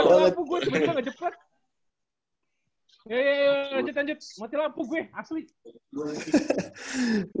ya ya ya lanjut lanjut mati lampu gue asli